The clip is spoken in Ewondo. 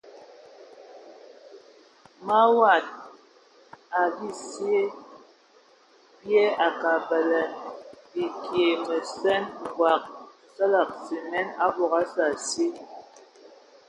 Mawad a bisye bye a kad bələna ai bikie məsen, ngɔg, nsələg simen, mbɔdɔgɔ məndie.